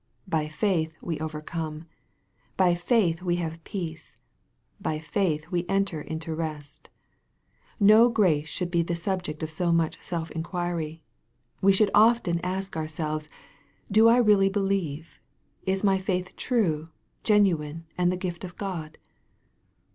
By faith we overcome. By faith we have peace. By faith we enter into rest. No grace should be the subject of so much self inquiry. We should often ask ourselves, Do I really believe ? Is my faith true, gen nine, and the gift of God